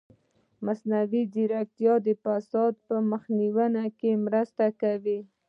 مصنوعي ځیرکتیا د فساد مخنیوي کې مرسته کوي.